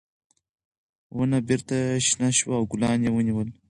ونه بېرته شنه شوه او ګلان یې ونیول.